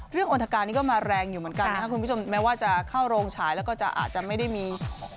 อนทการนี้ก็มาแรงอยู่เหมือนกันนะครับคุณผู้ชมแม้ว่าจะเข้าโรงฉายแล้วก็จะอาจจะไม่ได้มี